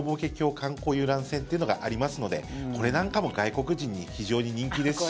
観光遊覧船というのがありますのでこれなんかも外国人に非常に人気ですし